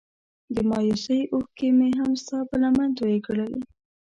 د مايوسۍ اوښکې مې هم ستا په لمن توی کړې.